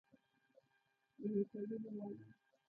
د هوټلونو والا!